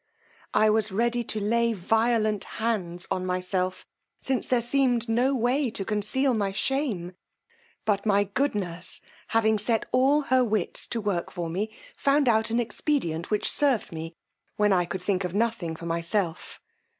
I was ready to lay violent hands on myself, since there seemed no way to conceal my shame; but my good nurse having set all her wits to work for me, found out an expedient which served me, when I could think of nothing for myself.